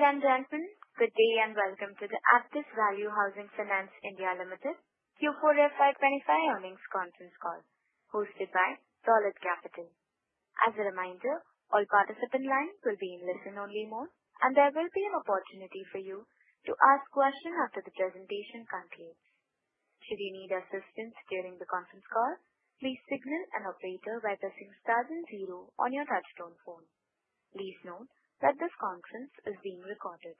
Ladies and gentlemen, good day and welcome to the Aptus Value Housing Finance India Limited Q4 FY25 earnings conference call, hosted by Dolat Capital. As a reminder, all participants' lines will be in listen-only mode, and there will be an opportunity for you to ask questions after the presentation concludes. Should you need assistance during the conference call, please signal an operator by pressing star and zero on your touch-tone phone. Please note that this conference is being recorded.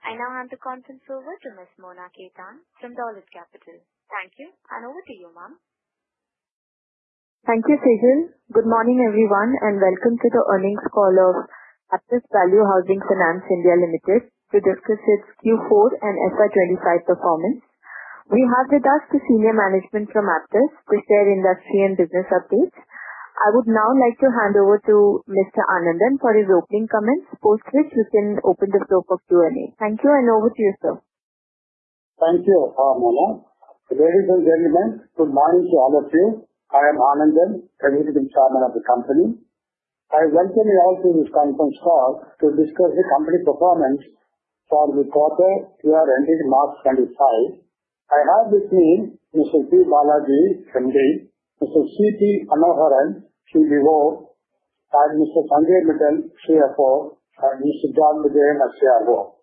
I now hand the conference over to Ms. Mona Khetan from Dolat Capital. Thank you, and over to you, ma'am. Thank you, Sejal. Good morning, everyone, and welcome to the earnings call of Aptus Value Housing Finance India Limited to discuss its Q4 and FY25 performance. We have with us the senior management from Aptus to share industry and business updates. I would now like to hand over to Mr. Anandan for his opening comments, after which we can open the floor for Q&A. Thank you, and over to you, sir. Thank you, Mona. Ladies and gentlemen, good morning to all of you. I am Anandan, Executive Chairman of the company. I welcome you all to this conference call to discuss the company performance for the quarter-ending March 25. I have with me Mr. P. Balaji, MD, Mr. C.T. Manoharan, CBO, and Mr. Sanjay Mittal, CFO, and Mr. John Vijayan, CRO.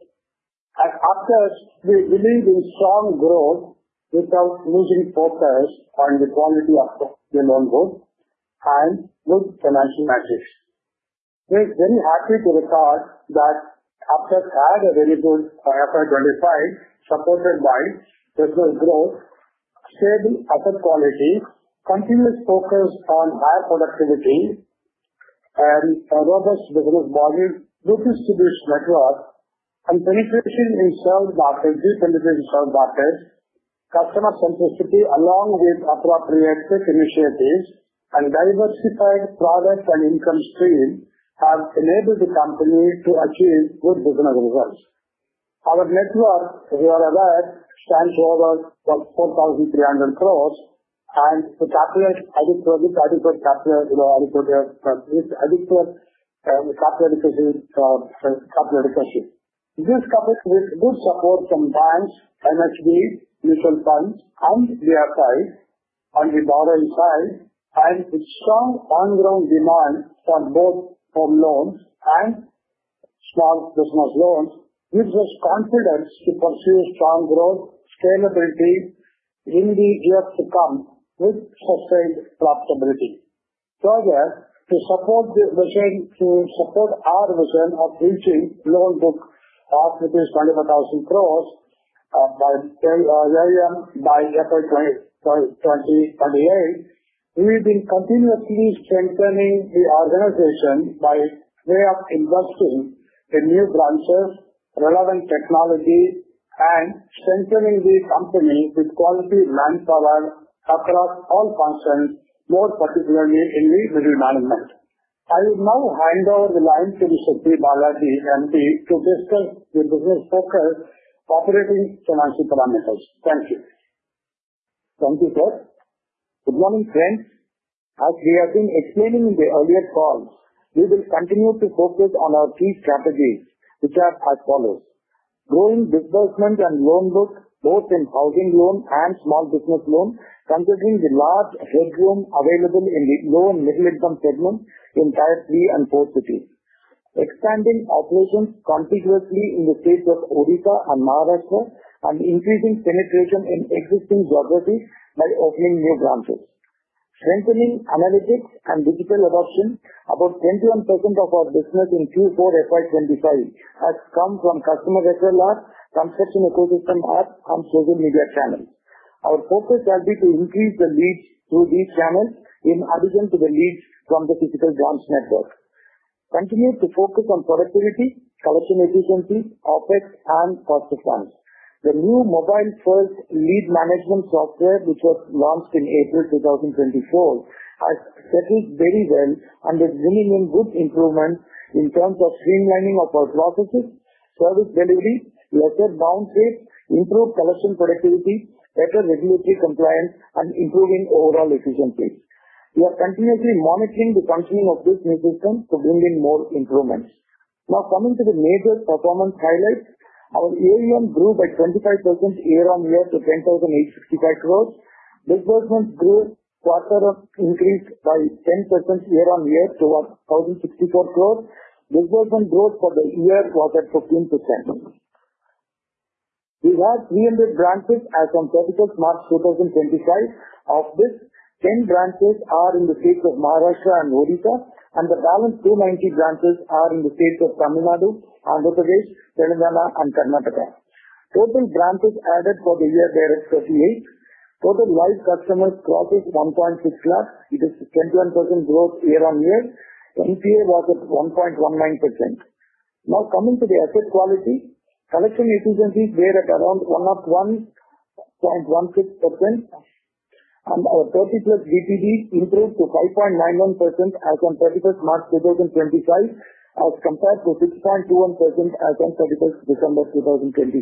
At Aptus, we believe in strong growth without losing focus on the quality of the loan book and good financial metrics. We're very happy to record that Aptus had a very good FY25 supported by business growth, stable asset quality, continuous focus on high productivity, and a robust business model, good distribution network, and penetration in sales markets, deep integration in sales markets. Customer centricity, along with appropriate tech initiatives and diversified product and income stream, have enabled the company to achieve good business results. Our net worth, if you are aware, stands over 4,300 crores, and to calculate adequate capital efficiency, this comes with good support from banks, NHB, mutual funds, and DFI on the borrowing side, and with strong on-ground demand for both home loans and small business loans, which gives us confidence to pursue strong growth, scalability in the years to come with sustained profitability. Further, to support our vision of reaching loan book of INR 25,000 crores by FY28, we've been continuously strengthening the organization by investing in new branches, relevant technology, and strengthening the company with quality manpower across all functions, more particularly in the middle management. I will now hand over the line to Mr. P. Balaji, MD, to discuss the business focus operating financial parameters. Thank you. Thank you, sir. Good morning, friends. As we have been explaining in the earlier calls, we will continue to focus on our key strategies, which are as follows: growing disbursement and loan book, both in housing loans and small business loans, considering the large headroom available in the low and middle-income segments in Tier 3 and 4 cities. Expanding operations continuously in the states of Odisha and Maharashtra. Increasing penetration in existing geographies by opening new branches. Strengthening analytics and digital adoption. About 21% of our business in Q4 FY25 has come from customer referral apps, construction ecosystem ads, and social media channels. Our focus shall be to increase the leads through these channels in addition to the leads from the physical branch network. Continue to focus on productivity, collection efficiency, OPEX, and cost of funds. The new mobile-first lead management software, which was launched in April 2024, has settled very well and is bringing in good improvements in terms of streamlining of our processes, service delivery, lesser downtime, improved collection productivity, better regulatory compliance, and improving overall efficiencies. We are continuously monitoring the functioning of this new system to bring in more improvements. Now, coming to the major performance highlights, our PAT grew by 25% year-on-year to 10,865 crores. Disbursement grew by 10% year-on-year to 1,064 crores. Disbursement growth for the year was at 15%. We have 300 branches as of March 2025. Of this, 10 branches are in the states of Maharashtra and Odisha, and the balance 290 branches are in the states of Tamil Nadu, Andhra Pradesh, Telangana, and Karnataka. Total branches added for the year were 38. Total live customers crossed 1.6 lakhs. It is 21% growth year-on-year. NPA was at 1.19%. Now, coming to the asset quality, collection efficiencies were at around 1.16%, and our 30+ DPD improved to 5.91% as of March 2025, as compared to 6.21% as of December 2024.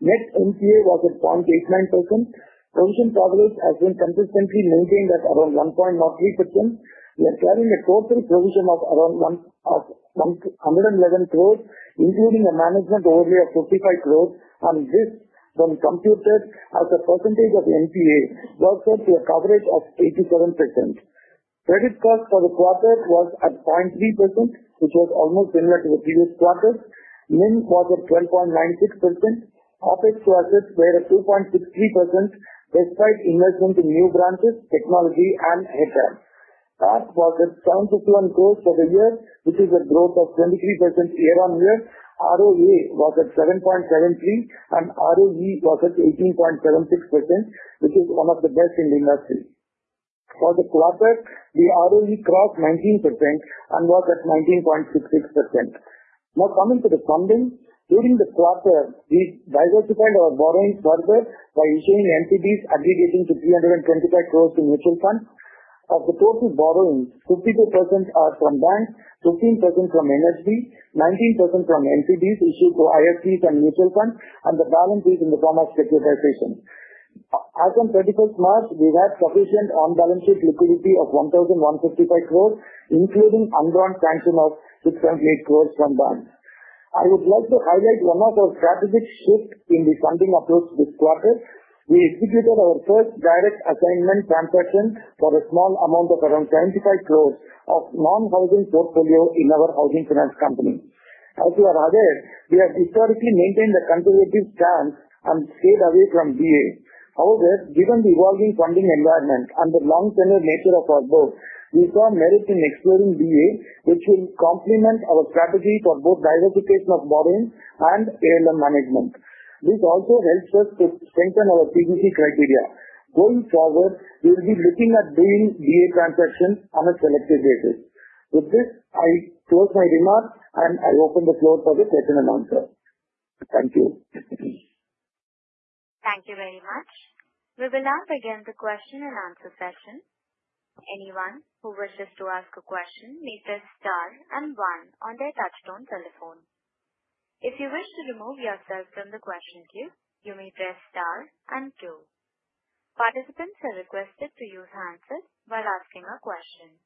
Net NPA was at 0.89%. Provision coverage has been consistently maintained at around 1.03%. We are carrying a total provision of around 111 crores, including a management overlay of 55 crores, and this when computed as a percentage of the NPA goes up to a coverage of 87%. Credit cost for the quarter was at 0.3%, which was almost similar to the previous quarter. NIM was at 12.96%. OPEX to assets were at 2.63% despite investment in new branches, technology, and HR. AUM was at 751 crores for the year, which is a growth of 23% year-on-year. ROA was at 7.73%, and ROE was at 18.76%, which is one of the best in the industry. For the quarter, the ROE crossed 19% and was at 19.66%. Now, coming to the funding, during the quarter, we diversified our borrowing further by issuing NCDs, aggregating to 325 crores to mutual funds. Of the total borrowing, 52% are from banks, 15% from NHB, 19% from NCDs issued to FPIs and mutual funds, and the balance is in the form of securitization. As of March 31st, we had sufficient on-balance sheet liquidity of 1,155 crores, including undrawn portion of 6.8 crores from banks. I would like to highlight one of our strategic shifts in the funding approach this quarter. We executed our first direct assignment transaction for a small amount of around 75 crores of non-housing portfolio in our housing finance company. As you are aware, we have historically maintained a conservative stance and stayed away from DA. However, given the evolving funding environment and the long-tenor nature of our book, we saw merit in exploring DA, which will complement our strategy for both diversification of borrowing and ALM management. This also helps us to strengthen our PBC criteria. Going forward, we will be looking at doing DA transactions on a selective basis. With this, I close my remarks, and I open the floor for the question and answer. Thank you. Thank you very much. We will now begin the question and answer session. Anyone who wishes to ask a question may press star and one on their touch-tone telephone. If you wish to remove yourself from the question queue, you may press star and two. Participants are requested to use handsets while asking a question.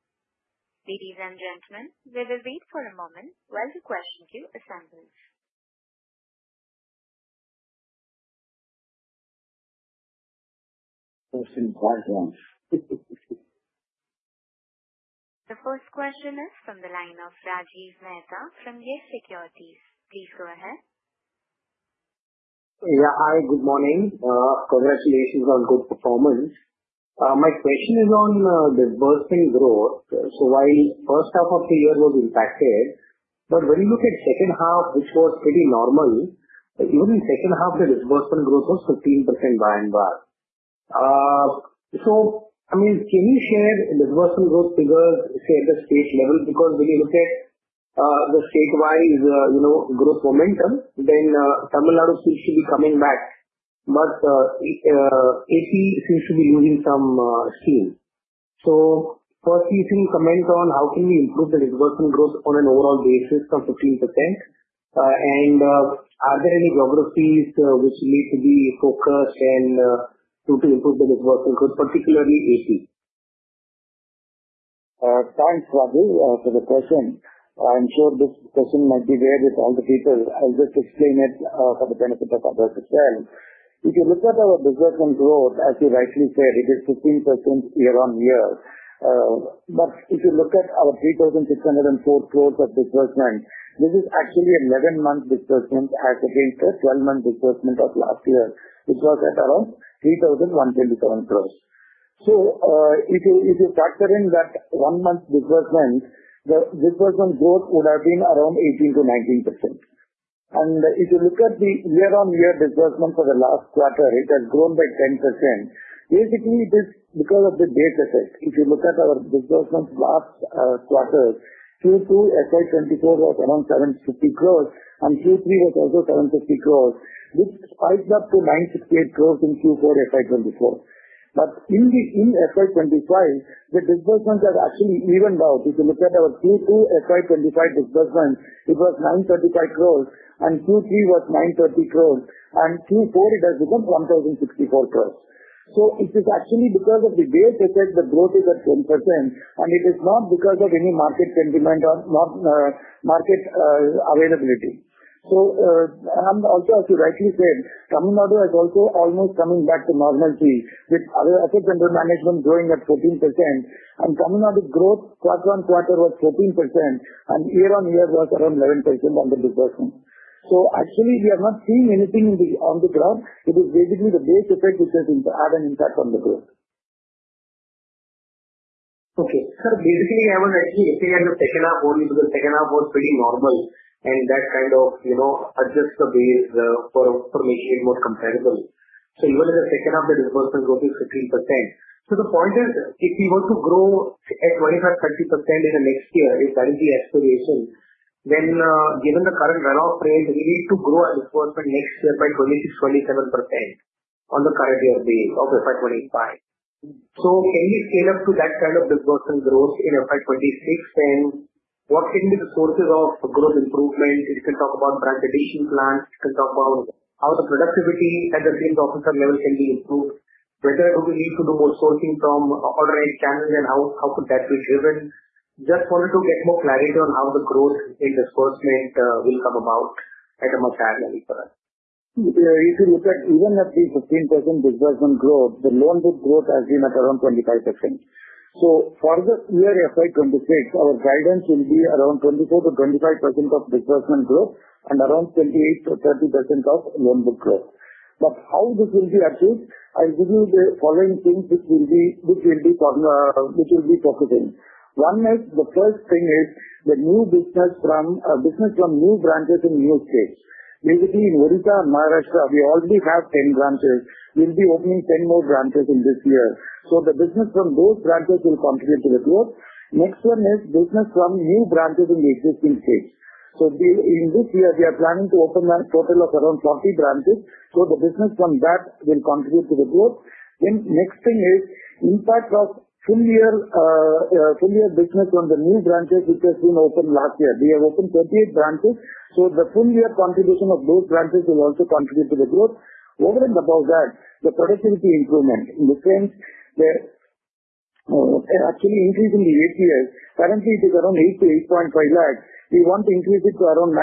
Ladies and gentlemen, we will wait for a moment while the question queue assembles. Questions. Why don't? The first question is from the line of Rajiv Mehta from YES Securities. Please go ahead. Yeah, hi. Good morning. Congratulations on good performance. My question is on disbursement growth. So while the first half of the year was impacted, but when you look at the second half, which was pretty normal, even in the second half, the disbursement growth was 15% by and large. So, I mean, can you share disbursement growth figures, say, at the state level? Because when you look at the state-wide growth momentum, then Tamil Nadu seems to be coming back, but AP seems to be losing some steam. So first, could you comment on how can we improve the disbursement growth on an overall basis of 15%? And are there any geographies which need to be focused on to improve the disbursement growth, particularly AP? Thanks, Rajiv, for the question. I'm sure this question might be there with all the people. I'll just explain it for the benefit of others as well. If you look at our disbursement growth, as you rightly said, it is 15% year-on-year. But if you look at our 3,604 crores of disbursement, this is actually an 11-month disbursement as against the 12-month disbursement of last year, which was at around 3,127 crores. So if you factor in that one-month disbursement, the disbursement growth would have been around 18%-19%. And if you look at the year-on-year disbursement for the last quarter, it has grown by 10%. Basically, it is because of the data set. If you look at our disbursements last quarter, Q2 FY24 was around 750 crores, and Q3 was also 750 crores, which spiked up to 968 crores in Q4 FY24. But in FY25, the disbursements have actually evened out. If you look at our Q2 FY25 disbursement, it was 935 crores, and Q3 was 930 crores, and Q4 it has become 1,064 crores. So it is actually because of the data set that growth is at 10%, and it is not because of any market sentiment or market availability. So also, as you rightly said, Tamil Nadu is also almost coming back to normalcy with other Asset Under Management growing at 14%, and Tamil Nadu growth quarter-on-quarter was 14%, and year-on-year was around 11% on the disbursement. So actually, we are not seeing anything on the ground. It is basically the data set which has had an impact on the growth. Okay. So basically, I was actually looking at the second half only because the second half was pretty normal, and that kind of adjusts the base for making it more comparable. So even in the second half, the disbursement growth is 15%. So the point is, if we were to grow at 25%-30% in the next year, if that is the expectation, then given the current runoff rate, we need to grow our disbursement next year by 26%-27% on the current year base of FY25. So can we scale up to that kind of disbursement growth in FY26? And what can be the sources of growth improvement? You can talk about branch addition plans. You can talk about how the productivity at the sales officer level can be improved. Whether we need to do more sourcing from outreach channels and how could that be driven? Just wanted to get more clarity on how the growth in disbursement will come about at a much higher level for us. If you look at even at the 15% disbursement growth, the loan book growth has been at around 25%. So for the year FY26, our guidance will be around 24%-25% of disbursement growth and around 28%-30% of loan book growth. But how this will be achieved, I'll give you the following things which we'll be focusing. One, the first thing is the new business from new branches in new states. Basically, in Odisha and Maharashtra, we already have 10 branches. We'll be opening 10 more branches in this year. So the business from those branches will contribute to the growth. Next one is business from new branches in the existing states. So in this year, we are planning to open a total of around 40 branches. So the business from that will contribute to the growth. Next thing is impact of full-year business on the new branches, which has been opened last year. We have opened 28 branches. So the full-year contribution of those branches will also contribute to the growth. Over and above that, the productivity improvement in the sense that actually increasing the ATS. Currently, it is around 8-8.5 lakhs. We want to increase it to around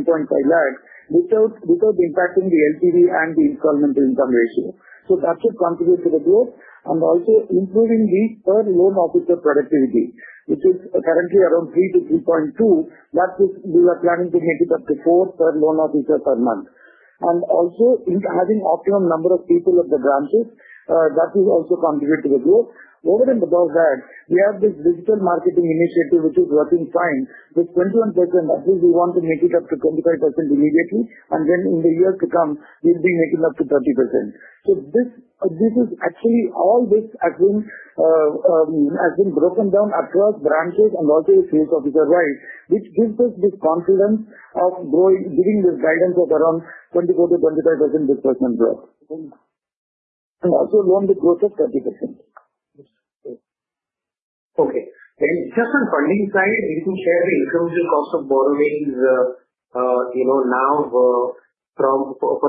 9-9.5 lakhs without impacting the LTV and the installment to income ratio. So that should contribute to the growth and also improving the per loan officer productivity, which is currently around 3-3.2. That is, we are planning to make it up to 4 per loan officer per month. And also, having an optimum number of people at the branches, that will also contribute to the growth. Over and above that, we have this digital marketing initiative, which is working fine. With 21%, at least we want to make it up to 25% immediately, and then in the years to come, we'll be making up to 30%. So this is actually all this has been broken down across branches and also the sales officer-wise, which gives us this confidence of giving this guidance of around 24%-25% disbursement growth. And also loan book growth of 30%. Okay. And just on funding side, will you share the incremental cost of borrowing now for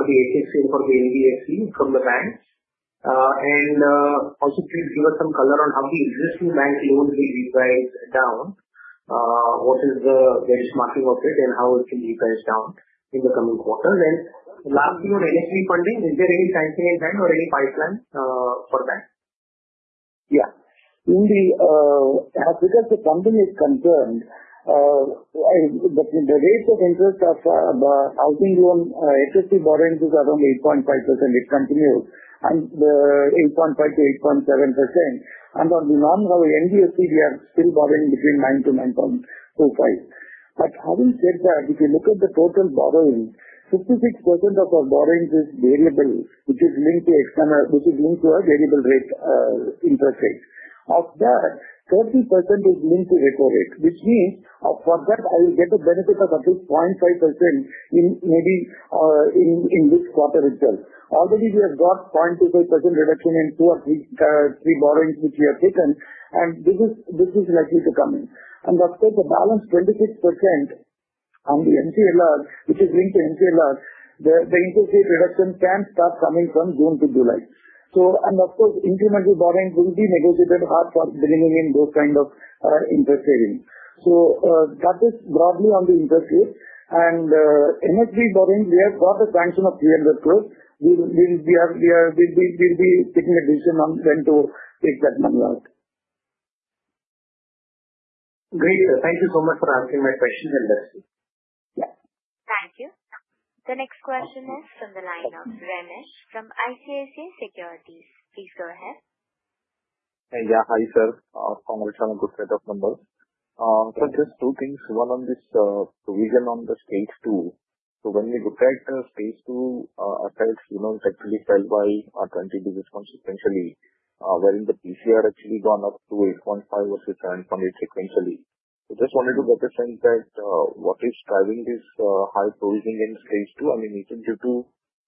the HFC and for the NBFC from the banks? And also, please give us some color on how the existing bank loans will be priced down, what is the benchmarking of it, and how it can be priced down in the coming quarters. And lastly, on NHB funding, is there any time frame in mind or any pipeline for that? Yeah. As far as the funding is concerned, the rates of interest of housing loan HFC borrowings is around 8.5%. It continues at 8.5%-8.7%. And on the NBFC, we are still borrowing between 9%-9.25%. But having said that, if you look at the total borrowing, 56% of our borrowings is variable, which is linked to a variable rate interest rate. Of that, 30% is linked to repo rate, which means for that, I will get a benefit of at least 0.5% maybe in this quarter itself. Already, we have got 0.25% reduction in two or three borrowings which we have taken, and this is likely to come in. And of course, the balance 26% on the MCLR, which is linked to MCLR, the interest rate reduction can start coming from June to July. Of course, incremental borrowings will be negotiated hard for beginning in those kinds of interest rates. That is broadly on the interest rate. NHB borrowings, we have got a sanction of INR 300 crores. We'll be taking a decision on when to take that money out. Great. Thank you so much for answering my question. Thank you. The next question is from the line of Ramesh from ICICI Securities. Please go ahead. Yeah, hi sir. Congrats on a good set of numbers. So just two things. One on this revision on the Stage 2. So when we look at Stage 2, our sales actually fell by 20 digits consistently, wherein the PCR actually gone up to 8.5% versus 7.8% sequentially. So just wanted to get a sense that what is driving this high provisioning in Stage 2? I mean, is it due to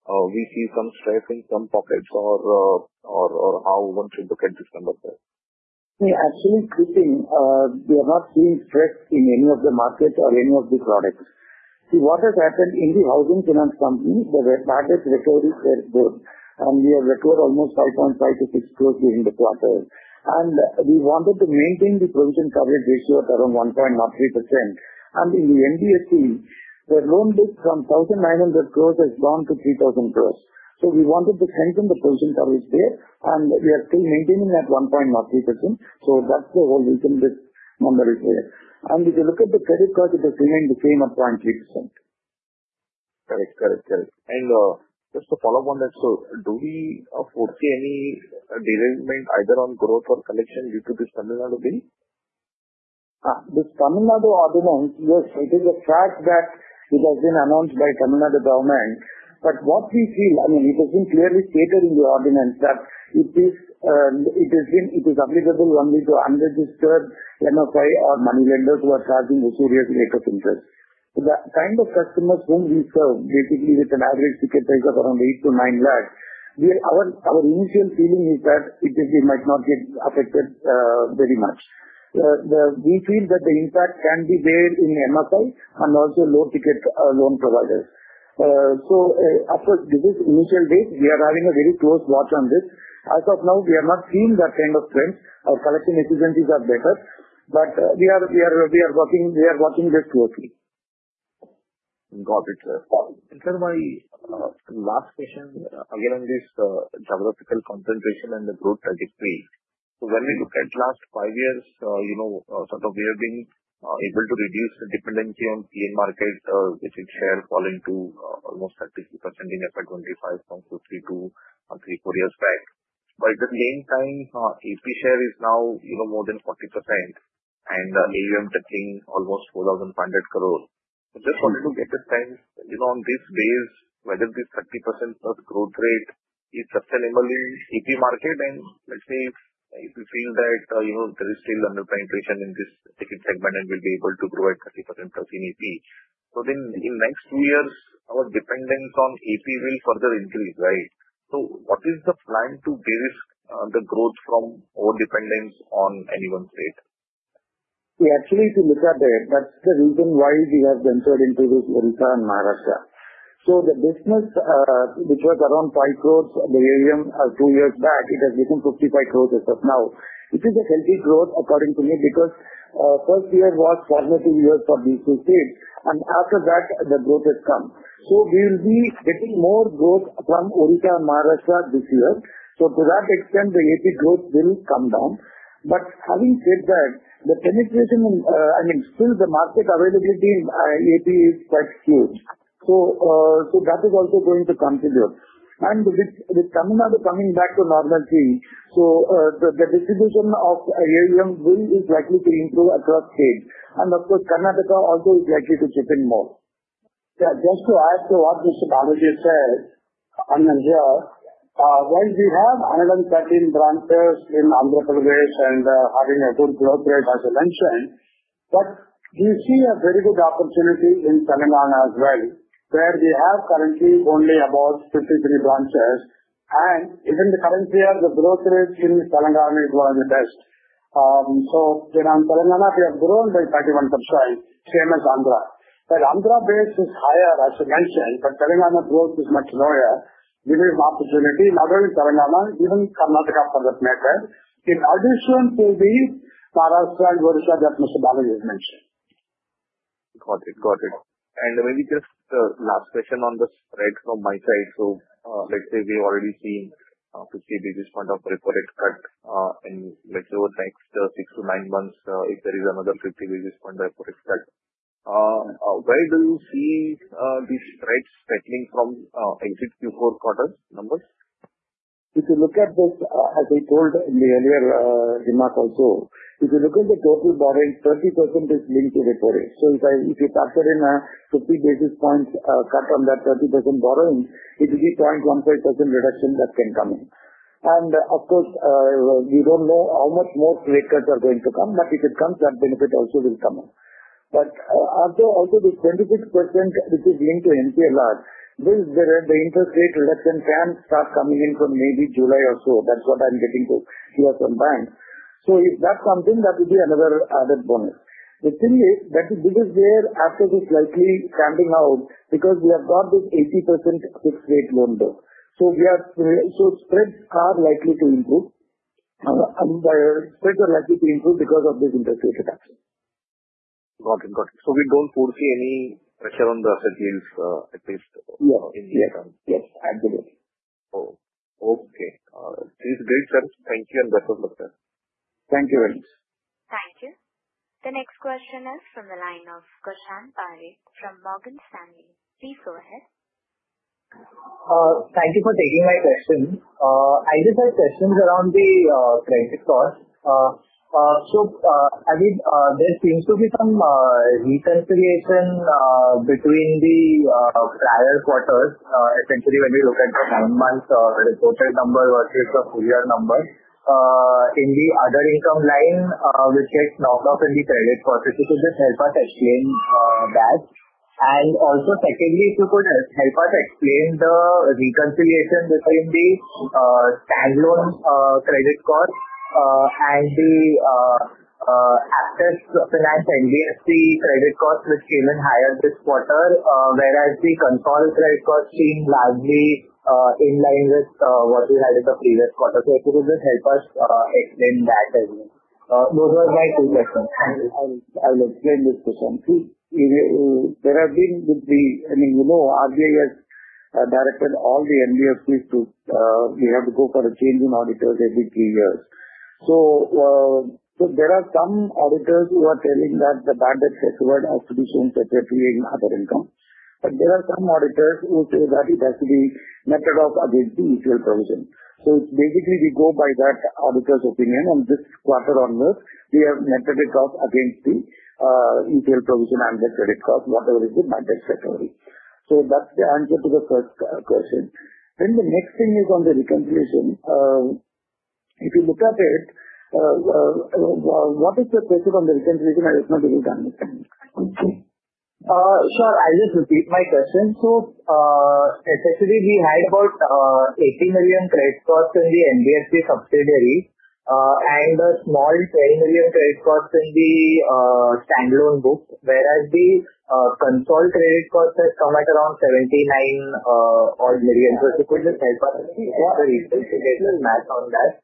VC funds stress in some pockets or how one should look at this number? Yeah, actually, good thing. We are not seeing stress in any of the markets or any of the products. See, what has happened in the housing finance company, the market recovery is very good, and we have recovered almost 5.5%-6% growth during the quarter. We wanted to maintain the provision coverage ratio at around 1.03%. In the NBFC, the loan book from 1,900 crores has gone to 3,000 crores. We wanted to strengthen the provision coverage there, and we are still maintaining at 1.03%. That's the whole reason this number is there. If you look at the credit cards, it has remained the same at 0.3%. Correct, and just to follow up on that, so do we foresee any derailment either on growth or collection due to this Tamil Nadu bill? This Tamil Nadu ordinance, yes, it is a fact that it has been announced by the Tamil Nadu government. But what we feel, I mean, it has been clearly stated in the ordinance that it is available only to unregistered MFI or money lenders who are charging a serious rate of interest. So the kind of customers whom we serve, basically with an average ticket price of around eight-nine lakhs, our initial feeling is that it might not get affected very much. We feel that the impact can be there in MFI and also low-ticket loan providers. So of course, this is initial take. We are having a very close watch on this. As of now, we have not seen that kind of trend. Our collection efficiencies are better, but we are watching this closely. Got it, sir. Sir, my last question again on this geographical concentration and the growth trajectory. So when we look at last five years, sort of we have been able to reduce the dependency on the market, which it shared falling to almost 33% in FY25 from 52% to 34 years back. But at the same time, AP share is now more than 40%, and AUM touching almost 4,500 crores. So just wanted to get a sense on this base, whether this 30% growth rate is sustainable in AP market, and let's say if we feel that there is still under penetration in this ticket segment and we'll be able to grow at 30%+ in AP. So then in the next two years, our dependence on AP will further increase, right? So what is the plan to de-risk the growth from our dependence on any one state? See, actually, if you look at it, that's the reason why we have ventured into Odisha and Maharashtra. So the business, which was around 5 crores of the AUM two years back, it has become 55 crores as of now. It is a healthy growth, according to me, because first year was formative years for these two states, and after that, the growth has come. We will be getting more growth from Odisha and Maharashtra this year. To that extent, the AP growth will come down. Having said that, the penetration, I mean, still the market availability in AP is quite huge. That is also going to contribute. With Tamil Nadu coming back to normality, the distribution of AUM will likely to improve across states. Of course, Karnataka also is likely to chip in more. Yeah. Just to add to what Mr. Balaji said on India, while we have 113 branches in Andhra Pradesh and having a good growth rate, as you mentioned, but we see a very good opportunity in Telangana as well, where we have currently only about 53 branches. And even the current year, the growth rate in Telangana is one of the best. So in Telangana, we have grown by 31%, same as Andhra. But Andhra base is higher, as you mentioned, but Telangana growth is much lower. This is an opportunity, not only in Telangana, even Karnataka for that matter, in addition to the Maharashtra and Odisha that Mr. Balaji mentioned. Got it. Got it. And maybe just last question on the spread from my side. So let's say we've already seen 50 basis points of reported cut in the next six-nine months if there is another 50 basis point reported cut. Where do you see these spreads settling from exit Q4 quarter numbers? If you look at this, as I told in the earlier remark also, if you look at the total borrowing, 30% is linked to repo rate. So if you factor in a 50 basis points cut on that 30% borrowing, it will be 0.15% reduction that can come in. And of course, we don't know how much more rate cuts are going to come, but if it comes, that benefit also will come in. But also the 26%, which is linked to MCLR, the interest rate reduction can start coming in from maybe July or so. That's what I'm getting to hear from banks. So if that's something, that would be another added bonus. The thing is that this is where after this slightly standing out because we have got this 80% fixed-rate loan book. So spreads are likely to improve. Spreads are likely to improve because of this interest rate reduction. Got it. Got it. So we don't foresee any pressure on the settlements at least in the year coming. Yes. Absolutely. Okay. All right. This is great, sir. Thank you and best of luck, sir. Thank you very much. Thank you. The next question is from the line of Dushyant Parikh from Morgan Stanley. Please go ahead. Thank you for taking my question. I just had questions around the credit cost, so there seems to be some reconsideration between the prior quarters, especially when we look at the nine-month reported number versus the full-year number in the other income line, which gets knocked off in the credit cost. If you could just help us explain that, and also, secondly, if you could help us explain the reconciliation between the standalone credit cost and the Aptus Finance NBFC credit cost, which came in higher this quarter, whereas the consolidated credit cost seemed largely in line with what we had in the previous quarter, so if you could just help us explain that as well. Those were my two questions. I'll explain this question. See, there have been, I mean, RBI has directed all the NBFCs to, we have to go for a change in auditors every three years. So there are some auditors who are telling that the bad debt recovery has to be seen separately in other income. But there are some auditors who say that it has to be set off against the ECL provision. So basically, we go by that auditor's opinion, and this quarter onwards, we have set it off against the ECL provision and the credit cost, whatever is the bad debt recovery. So that's the answer to the first question. Then the next thing is on the reconciliation. If you look at it, what is the question on the reconciliation? I have not really done it. Sure. I'll just repeat my question. So essentially, we had about 80 million credit cost in the NBFC subsidiary and a small 10 million credit cost in the standalone book, whereas the consolidated credit cost has come at around 79 or 80 million. So if you could just help us reconcile the math on that?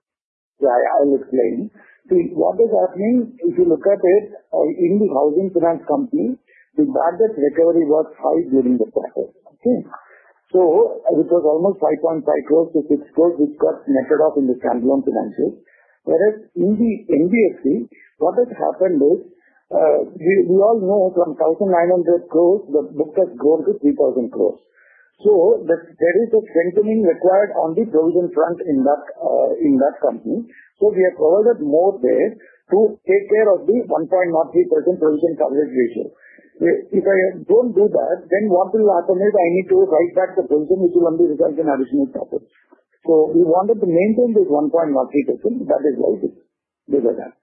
Yeah, I'll explain. See, what is happening, if you look at it, in the housing finance company, the bad debt recovery was high during the quarter. So it was almost 5.5 crores to 6 crores, which got merged in the standalone financials. Whereas in the NBFC, what has happened is we all know from 1,900 crores, the book has grown to 3,000 crores. So there is a strengthening required on the provision front in that company. So we have provided more there to take care of the 1.03% provision coverage ratio. If I don't do that, then what will happen is I need to write back the provision, which will only result in additional profits. So we wanted to maintain this 1.03%. That is why we did that.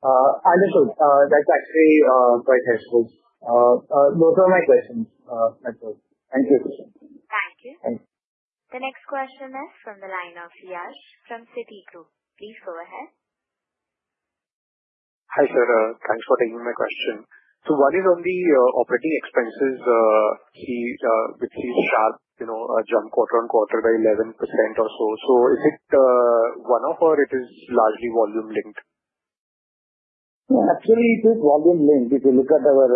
Understood. That's actually quite helpful. Those were my questions. Thank you. Thank you. The next question is from the line of Yash from Citigroup. Please go ahead. Hi sir. Thanks for taking my question. So what is on the operating expenses with sharp jump quarter on quarter by 11% or so? So is it one-off, or it is largely volume linked? Yeah, actually, it is volume linked. If you look at our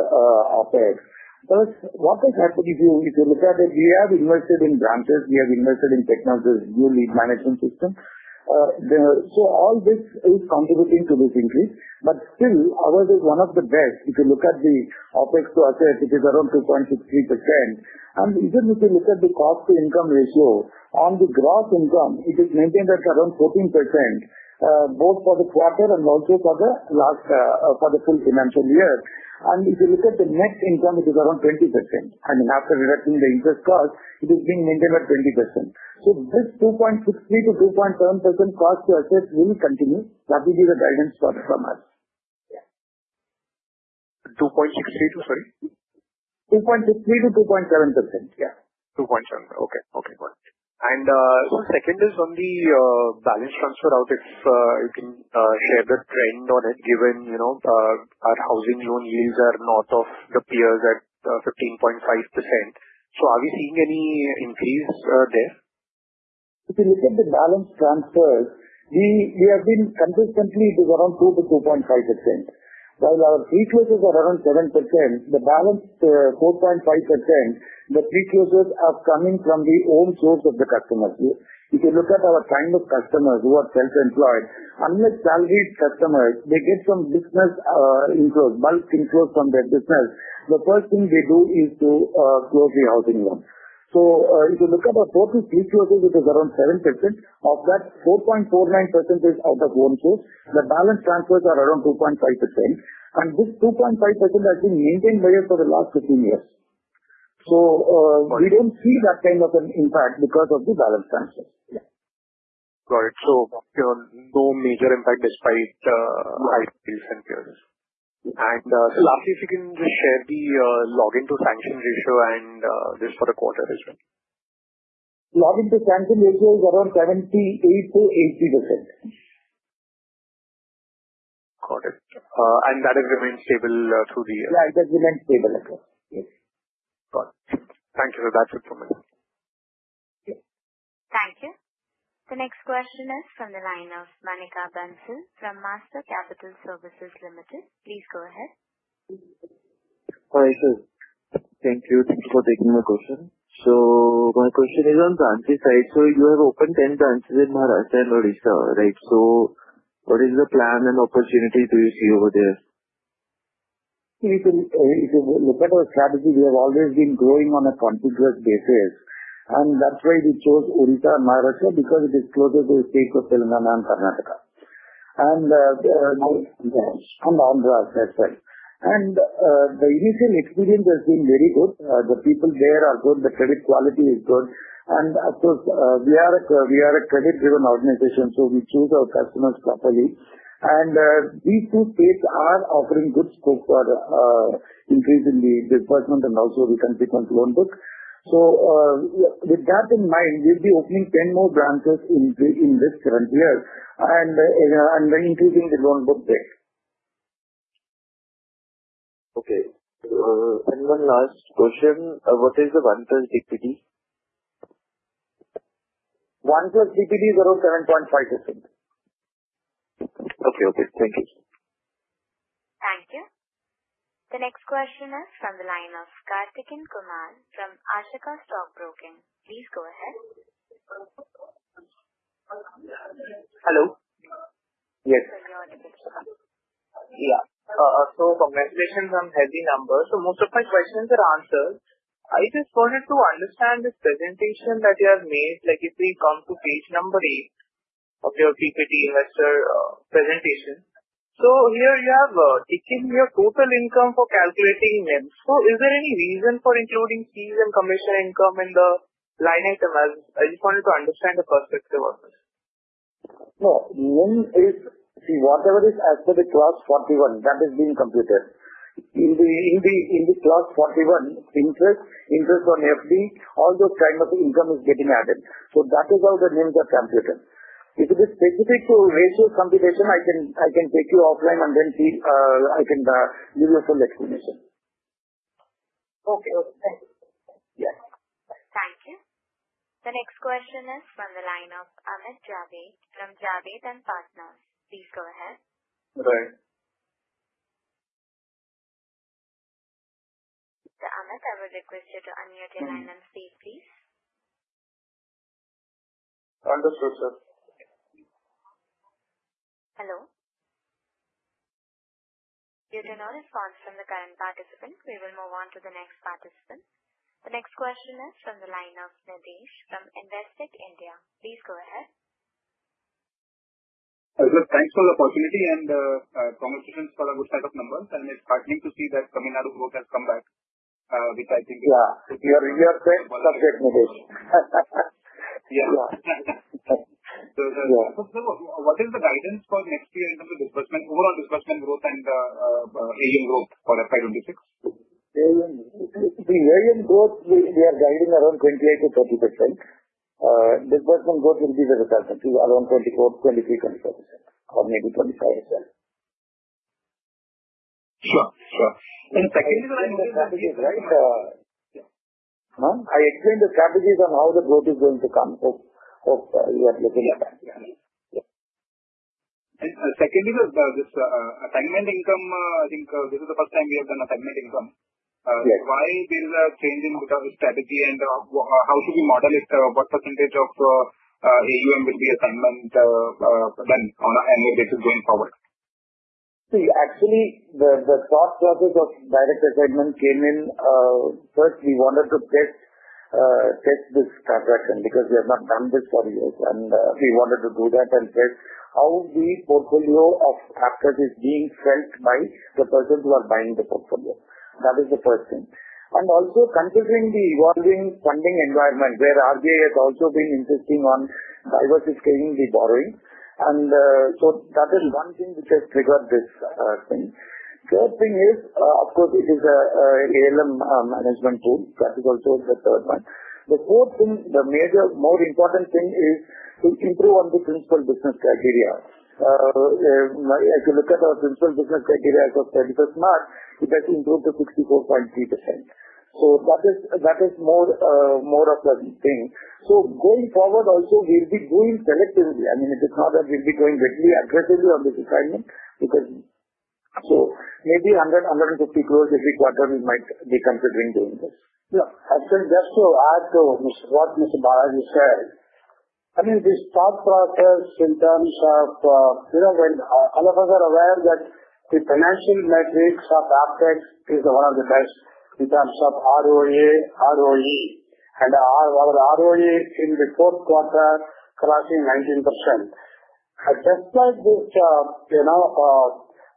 OPEX, first, what has happened if you look at it, we have invested in branches. We have invested in technologies, new Lead Management System. So all this is contributing to this increase. But still, ours is one of the best. If you look at the OPEX to asset, it is around 2.63%. And even if you look at the cost-to-income ratio, on the gross income, it is maintained at around 14%, both for the quarter and also for the full financial year. And if you look at the net income, it is around 20%. I mean, after reducing the interest cost, it is being maintained at 20%. So this 2.63%-2.7% cost-to-asset will continue. That will be the guidance from us. 2.63% to, sorry? 2.63%-2.7%. Yeah. 2.7%. Okay. Okay. Got it. And so second is on the balance transfer out, if you can share the trend on it, given our housing loan yields are north of the peers at 15.5%. So are we seeing any increase there? If you look at the balance transfers, we have been consistently around 2.2%- 2.5%. While our pre-closures are around 7%, the balance 4.5%, the pre-closures are coming from the old source of the customers. If you look at our kind of customers who are self-employed, unless salaried customers, they get some business inflows, bulk inflows from their business, the first thing they do is to close the housing loan. So if you look at our total pre-closures, it is around 7%. Of that, 4.49% is out of old source. The balance transfers are around 2.5%. And this 2.5% has been maintained by us for the last 15 years. So we don't see that kind of an impact because of the balance transfers. Got it. So no major impact despite high pre-closures and peers. And lastly, if you can just share the loan to sanction ratio and this for the quarter as well? Login to sanction ratio is around 78%-80%. Got it. And that has remained stable through the year? Yeah, it has remained stable. Got it. Thank you, sir. That's it from me. Thank you. The next question is from the line of Manika Bansal from Master Capital Services Limited. Please go ahead. Hi, sir. Thank you. Thank you for taking my question. So my question is on the NBFC side. So you have opened 10 branches in Maharashtra and Odisha, right? So what is the plan and opportunity do you see over there? If you look at our strategy, we have always been growing on a continuous basis. And that's why we chose Odisha and Maharashtra because it is closer to the states of Telangana and Karnataka. And Andhra as well. And the initial experience has been very good. The people there are good. The credit quality is good. And of course, we are a credit-driven organization, so we choose our customers properly. And these two states are offering good scope for increase in the disbursement and also the consequence loan book. So with that in mind, we'll be opening 10 more branches in this current year and increasing the loan book rate. Okay. And one last question. What is the 1+ DPD? 1+ DPD is around 7.5%. Okay. Okay. Thank you. Thank you. The next question is from the line of Karthikeyan Kumar from Ashoka Stock Broking. Please go ahead. Hello? Yes. Sorry, you're on a mixed call. Yeah. So congratulations on heady numbers. So most of my questions are answered. I just wanted to understand this presentation that you have made, like if we come to page number eight of your PPT investor presentation. So here you have taken your total income for calculating NIMS. So is there any reason for including fees and commission income in the line item? I just wanted to understand the perspective on this. No. NIM is, see, whatever is after the clause 41, that is being computed. In the clause 41, interest, interest on FD, all those kind of income is getting added. So that is how the NIMS are computed. If it is specific to ratio computation, I can take you offline and then I can give you a full explanation. Okay. Thank you. Yes. Thank you. The next question is from the line of Amit Javeed from Javeed & Partners. Please go ahead. Right. Amit, I will request you to unmute your line and speak, please. Understood, sir. Hello? Due to no response from the current participant, we will move on to the next participant. The next question is from the line of Nitesh from Investec India. Please go ahead. Thanks for the opportunity and congratulations for a good set of numbers, and it's heartening to see that Tamil Nadu growth has come back, which I think is. Yeah. You are so perfect, Nitesh. Yeah. So what is the guidance for next year in terms of disbursement, overall disbursement growth and AUM growth for FY 2026? AUM growth, we are guiding around 28%- 30%. Disbursement growth will be the result, around 24%, 23%, 25%, or maybe 25% as well. Sure. Sure. And secondly, the strategies, right? Huh? I explained the strategies on how the growth is going to come. Hope you have listened to that. Secondly, this assignment income, I think this is the first time we have done a assignment income. Why there is a change in strategy and how should we model it? What percentage of AUM will be assignment done on an annual basis going forward? See, actually, the thought process of direct assignment came in. First, we wanted to test this transaction because we have not done this for years, and we wanted to do that and test how the portfolio of assets is being felt by the persons who are buying the portfolio. That is the first thing, and also, considering the evolving funding environment where RBI has also been insisting on diversifying the borrowing, and so that is one thing which has triggered this thing. Third thing is, of course, it is an ALM management tool. That is also the third one. The fourth thing, the major more important thing is to improve on the principal business criteria. If you look at our principal business criteria as of 25th March, it has improved to 64.3%, so that is more of a thing, so going forward, also, we'll be doing selectively. I mean, it is not that we'll be going really aggressively on this assignment because. So maybe 100-150 crores every quarter, we might be considering doing this. Yeah. I just want to add to what Mr. Balaji said. I mean, this thought process in terms of all of us are aware that the financial metrics of Aptus is one of the best in terms of ROE in the fourth quarter crossing 19%. Despite this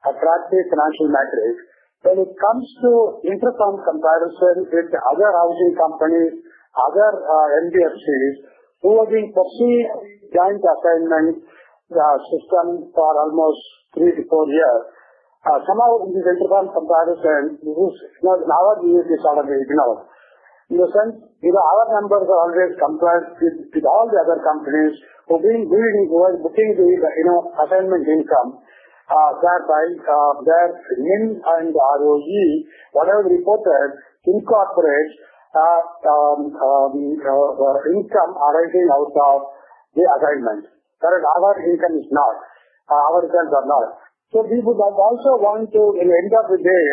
attractive financial metric, when it comes to inter-company comparison with other housing companies, other NBFCs who have been pursuing direct assignment system for almost three to four years, somehow in this inter-company comparison, our view is sort of ignored. In the sense, our numbers are always compliant with all the other companies who have been booking the assignment income. That by their NIM and ROE, whatever reported, incorporates income arising out of the assignment. That is, our income is not. Our results are not, so we would also want to, at the end of the day,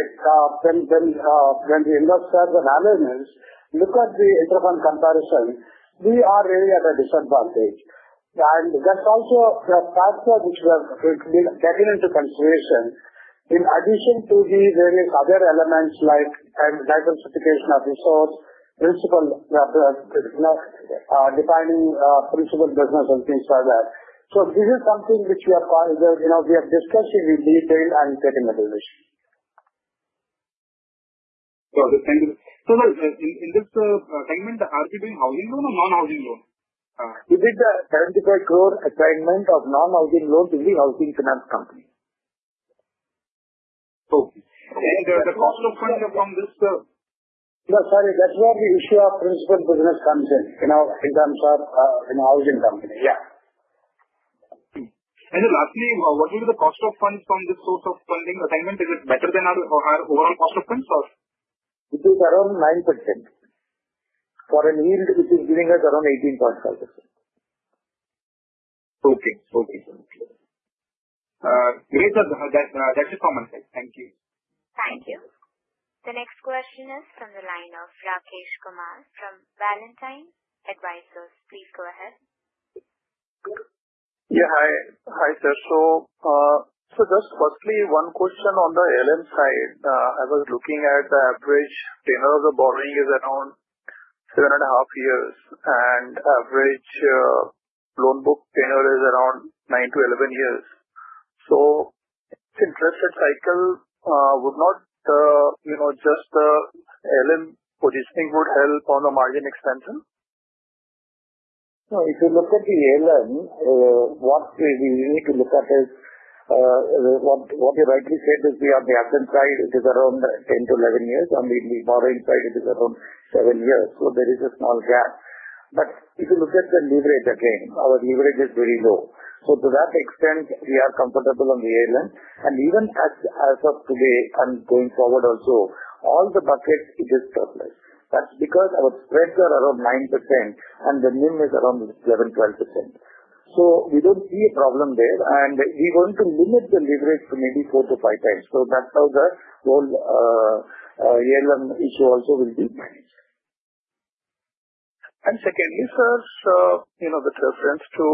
when the investors and analysts look at the inter-company comparison, we are really at a disadvantage, and that's also a factor which we have taken into consideration in addition to the various other elements like diversification of resources, defining principal business, and things like that. So this is something which we have discussed in detail and taken into consideration. Got it. Thank you. So in this segment, are we doing housing loan or non-housing loan? We did the INR 75 crore assignment of non-housing loan to the housing finance company. Okay, and the cost of funds from this? No, sorry. That's where the issue of principal business comes in in terms of housing company, yeah. Lastly, what will be the cost of funds from this source of direct assignment? Is it better than our overall cost of funds, or? It is around 9%. For a yield, it is giving us around 18.5%. Okay. Okay. Great. That's common sense. Thank you. Thank you. The next question is from the line of Rakesh Kumar from Valentis Advisors. Please go ahead. Yeah. Hi, sir. So just firstly, one question on the ALM side. I was looking at the average tenor of the borrowing is around 7.5 years, and average loan book tenor is around 9-11 years. So interest rate cycle would not just ALM positioning would help on the margin expansion? So if you look at the ALM, what we need to look at is what you rightly said is we are on the asset side, it is around 10-11 years, and the borrowing side is around seven years. So there is a small gap. But if you look at the leverage again, our leverage is very low. So to that extent, we are comfortable on the ALM. And even as of today and going forward also, all the buckets, it is surplus. That's because our spreads are around 9%, and the NIM is around 11-12%. So we don't see a problem there. And we want to limit the leverage to maybe four-five times. So that's how the whole ALM issue also will be managed. And secondly, sir, the preference to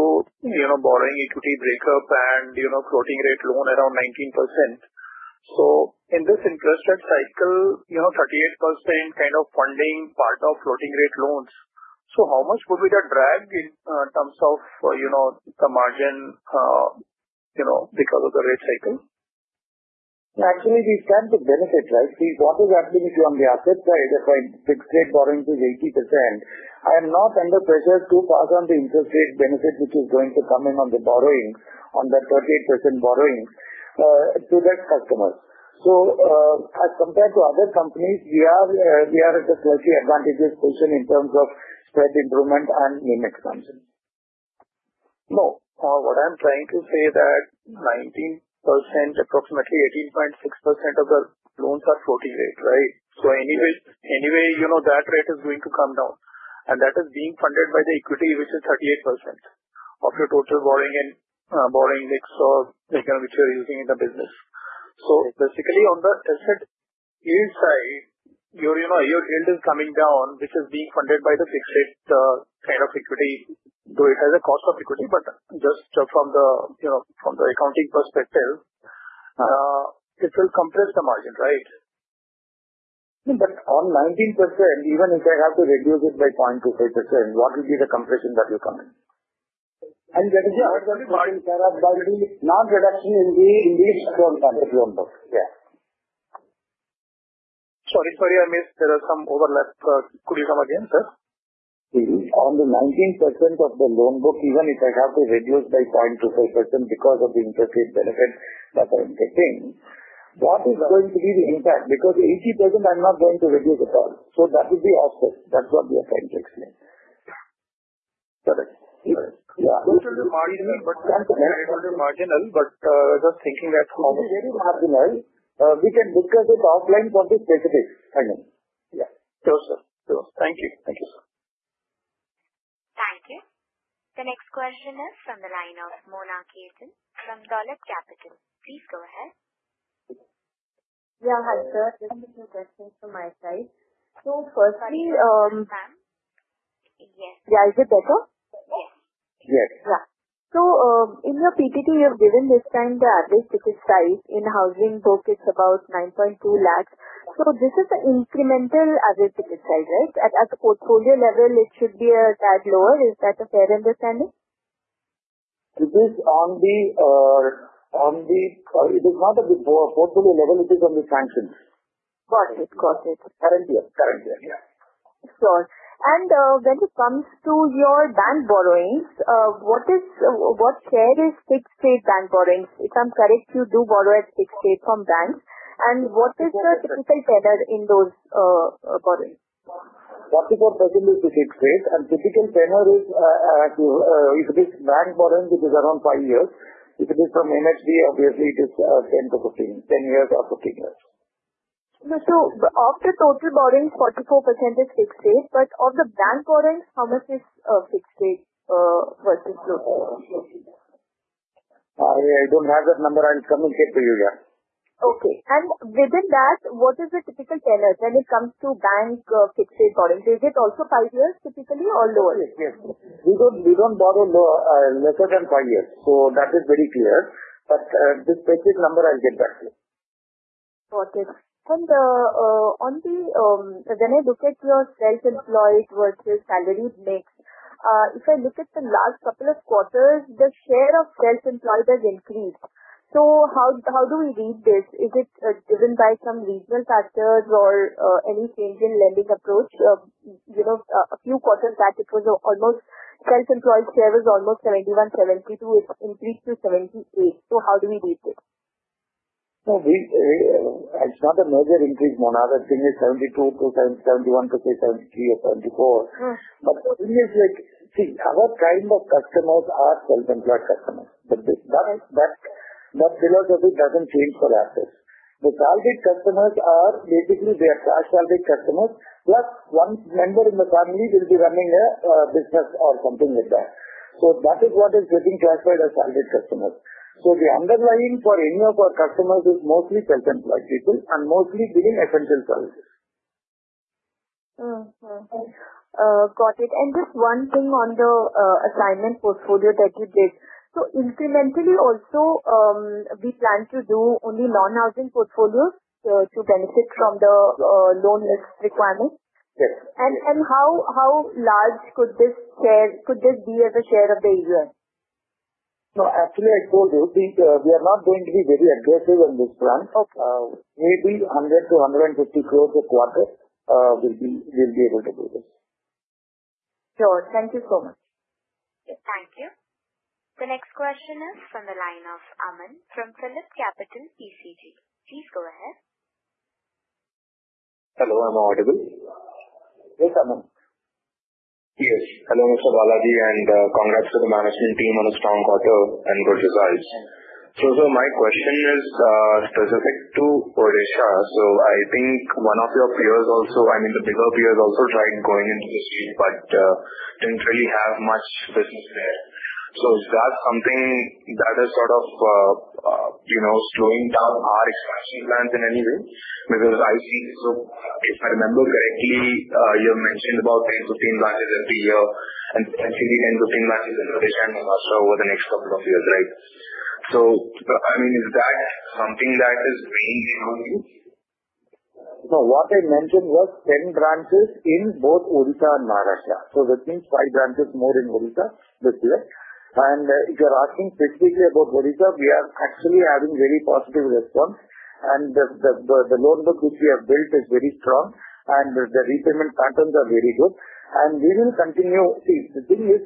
borrowing equity breakup and floating rate loan around 19%. So in this interest rate cycle, 38% kind of funding part of floating rate loans. So how much would be the drag in terms of the margin because of the rate cycle? Actually, we've got the benefit, right? See, what is happening on the asset side, if our fixed-rate borrowing is 80%, I am not under pressure to pass on the interest rate benefit which is going to come in on the borrowing, on the 38% borrowing, to that customer. So as compared to other companies, we are at a slightly advantageous position in terms of spread improvement and NIM expansion. No. What I'm trying to say is that 19%, approximately 18.6% of the loans are floating rate, right? So anyway, that rate is going to come down. And that is being funded by the equity, which is 38% of your total borrowing mix or which you're using in the business. So basically, on the asset yield side, your yield is coming down, which is being funded by the fixed rate kind of equity. Though it has a cost of equity, but just from the accounting perspective, it will compress the margin, right? But on 19%, even if I have to reduce it by 0.25%, what will be the compression that will come in? And that is the only part that has been non-reduction in the loan book. Yeah. Sorry, sorry, Amit There are some overlaps. Could you come again, sir? On the 19% of the loan book, even if I have to reduce by 0.25% because of the interest rate benefit that I'm getting, what is going to be the impact? Because 80%, I'm not going to reduce at all. So that would be offset. That's what we are trying to explain. Got it. Yeah. Total marginal, but just thinking that. It's very marginal. We can discuss it offline for the specifics. Yeah. No, sir. Thank you. Thank you, sir. Thank you. The next question is from the line of Mona Khetan from Dolat Capital. Please go ahead. Yeah. Hi, sir. Just a few questions from my side. So firstly. Ma'am? Yes. Yeah. Is it better? Yes. Yes. Yeah. So in your PTT, you have given this time the average ticket size in housing book, it's about 9.2 lakhs. So this is an incremental average ticket size, right? At the portfolio level, it should be a tad lower. Is that a fair understanding? It is on the portfolio level. It is on the sanctions. Got it. Got it. Current year. Current year. Yeah. Sure. And when it comes to your bank borrowings, what share is fixed rate bank borrowings? If I'm correct, you do borrow at fixed rate from banks. And what is the typical tenor in those borrowings? 44% is the fixed rate. Typical tenor is if it is bank borrowing, it is around five years. If it is from NHB, obviously, it is 10-15, 10 years or 15 years. So of the total borrowings, 44% is fixed rate. But of the bank borrowings, how much is fixed rate versus floating? I don't have that number. I'll communicate to you here. Okay. And within that, what is the typical tenor when it comes to bank fixed rate borrowing? Is it also five years typically or lower? Yes. Yes. We don't borrow lesser than five years. So that is very clear. But this basic number, I'll get back to you. Got it. And when I look at your self-employed versus salaried mix, if I look at the last couple of quarters, the share of self-employed has increased. So how do we read this? Is it driven by some regional factors or any change in lending approach? A few quarters back, it was almost self-employed share was almost 71, 72. It increased to 78. So how do we read this? It's not a major increase, Mona. The thing is 72-71, to say 73 or 74. But see, our kind of customers are self-employed customers. But that philosophy doesn't change for assets. The salaried customers are basically their cash salaried customers, plus one member in the family will be running a business or something like that. So that is what is getting classified as salaried customers. So the underlying for any of our customers is mostly self-employed people and mostly giving essential services. Got it. And just one thing on the assignment portfolio that you did. So incrementally, also, we plan to do only non-housing portfolios to benefit from the loan mix requirement? Yes. How large could this be as a share of the AUM? No, actually, I told you, we are not going to be very aggressive on this front. Maybe 100-150 crores a quarter, we'll be able to do this. Sure. Thank you so much. Thank you. The next question is from the line of Aman from PhillipCapital, PCG. Please go ahead. Hello. I'm audible. Yes, Aman. Yes. Hello, Mr. Balaji, and congrats to the management team on a strong quarter and good results. My question is specific to Odisha. I think one of your peers also, I mean, the bigger peers also tried going into the state, but didn't really have much business there. Is that something that is sort of slowing down our expansion plans in any way? Because I see, if I remember correctly, you have mentioned about 10-15 branches every year and potentially 10-15 branches in Odisha and Maharashtra over the next couple of years, right? I mean, is that something that is mainly going to? No. What I mentioned was 10 branches in both Odisha and Maharashtra. So that means five branches more in Odisha this year. And if you're asking specifically about Odisha, we are actually having very positive response. And the loan book which we have built is very strong, and the repayment patterns are very good. And we will continue. See, the thing is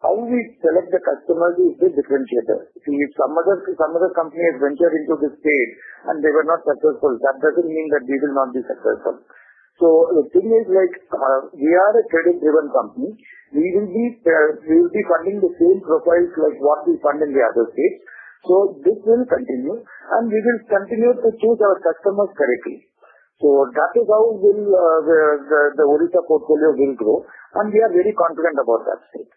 how we select the customers is the differentiator. See, if some other company has ventured into this state and they were not successful, that doesn't mean that we will not be successful. So the thing is we are a credit-driven company. We will be funding the same profiles like what we fund in the other states. So this will continue, and we will continue to choose our customers correctly. So that is how the Odisha portfolio will grow. And we are very confident about that state.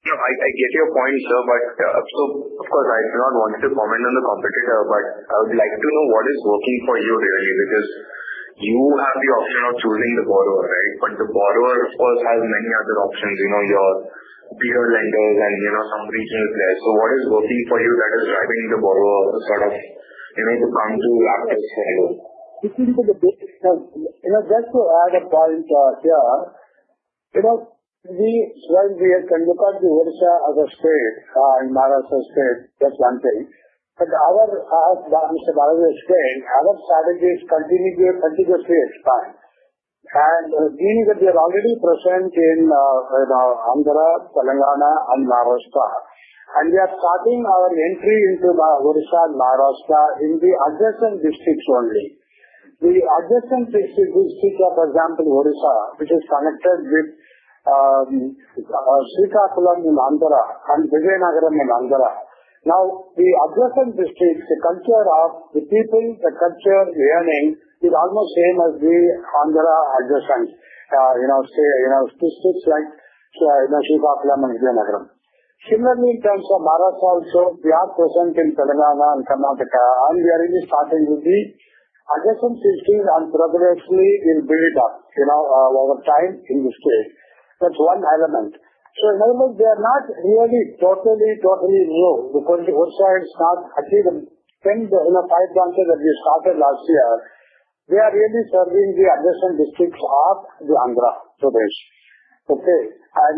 No, I get your point, sir. But so of course, I do not want to comment on the competitor, but I would like to know what is working for you really because you have the option of choosing the borrower, right? But the borrower, of course, has many other options, your peer lenders and some regional players. So what is working for you that is driving the borrower sort of to come to Aptus for you? If you look at the biggest thing, just to add a point here, when we can look at the Odisha as a state and Maharashtra state, that's one thing. But our strategy is continuously expand. And being that we are already present in Andhra, Telangana, and Maharashtra, and we are starting our entry into Odisha and Maharashtra in the adjacent districts only. The adjacent district, for example, Odisha, which is connected with Srikakulam in Andhra and Vizianagaram in Andhra. Now, the adjacent districts, the culture of the people, the culture, the earnings is almost the same as the Andhra adjacent districts like Srikakulam and Vizianagaram. Similarly, in terms of Maharashtra also, we are present in Telangana and Karnataka, and we are really starting with the adjacent districts, and progressively we'll build up over time in this state. That's one element. In other words, they are not really totally, totally new because Odisha is not actually the 10-15 branches that we started last year. They are really serving the adjacent districts of the Andhra today. Okay.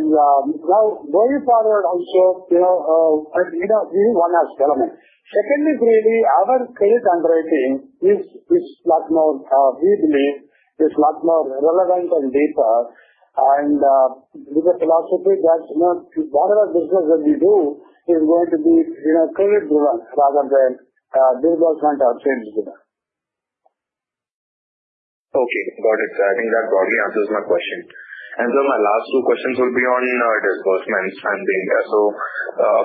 Now, going forward also, we want to add element. Secondly, really, our credit underwriting is much more we believe is much more relevant and deeper. With the philosophy that whatever business that we do is going to be credit-driven rather than disbursement or volume-driven. Okay. Got it. I think that broadly answers my question. And sir, my last two questions will be on disbursements and the income. So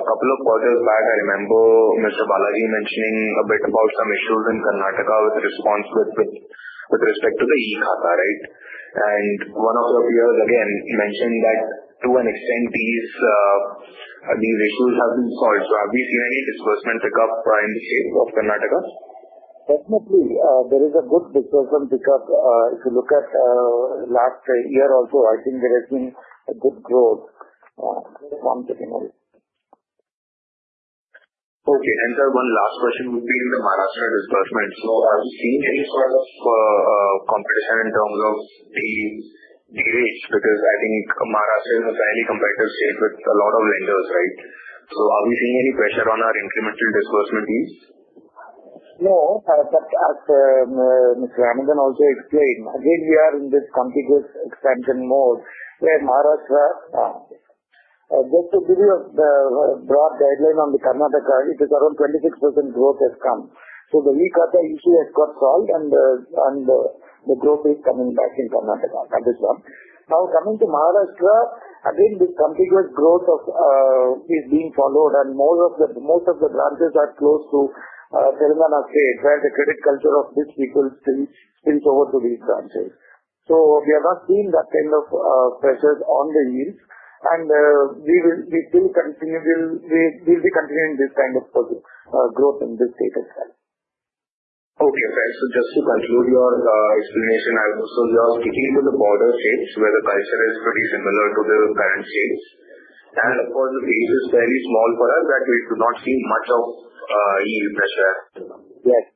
a couple of quarters back, I remember Mr. Balaji mentioning a bit about some issues in Karnataka with respect to the E-Khata, right? And one of your peers, again, mentioned that to an extent, these issues have been solved. So have we seen any disbursement pickup in the state of Karnataka? Definitely. There is a good disbursement pickup. If you look at last year also, I think there has been a good growth. Just wanted to know. Okay. And sir, one last question would be in the Maharashtra disbursement. So have we seen any sort of competition in terms of the rates? Because I think Maharashtra is a fairly competitive state with a lot of lenders, right? So have we seen any pressure on our incremental disbursement deals? No. But as Mr. Balaji also explained, again, we are in this complex expansion mode where Maharashtra just to give you a broad guideline on the Karnataka, it is around 26% growth has come. The E-Khata issue has got solved, and the growth is coming back in Karnataka. That is one. Now, coming to Maharashtra, again, this complex growth is being followed, and most of the branches are close to Telangana state, where the credit culture of these people spills over to these branches. We have not seen that kind of pressures on the yields. We will be continuing this kind of growth in this state as well. Okay. So just to conclude your explanation, I would assume you are sticking to the border states where the culture is pretty similar to the current states. And of course, the rate is fairly small for us, that we do not see much of yield pressure. Yes.